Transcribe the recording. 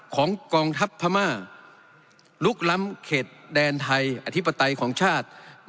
กองทัพพม่าลุกล้ำเขตแดนไทยอธิปไตยของชาติ